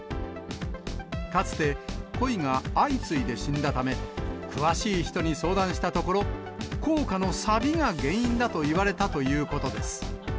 かつてコイが相次いで死んだため、詳しい人に相談したところ、硬貨のさびが原因だと言われたということです。